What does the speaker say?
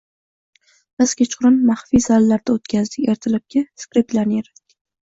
Biz kechqurun maxfiy zallarda o'tkazdik, ertalabki skriptlarni yaratdik